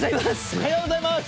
おはようございます！